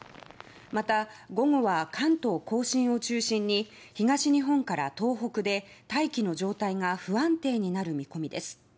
また午後は、関東・甲信を中心に東日本から東北で大気の状態が不安定になる見込みです。